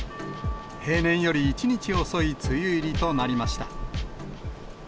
平年より１日遅い梅雨入りとなりました。